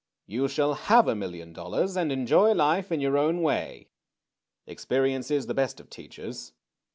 You shall have a million dollars^ and enjoy life in your own way. Experience is the best of teachers.